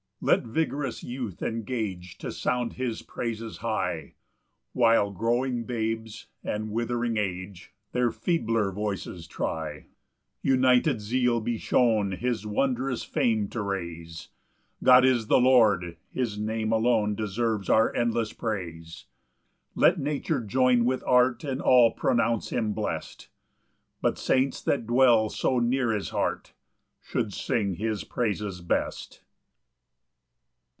14 Let vigorous youth engage To sound his praises high; While growing babes, and withering age, Their feebler voices try. 15 United zeal be shown, His wondrous fame to raise; God is the Lord: his name alone Deserves our endless praise. 16 Let nature join with art, And all pronounce him blest; But saints that dwell so near his heart, Should sing his praises best.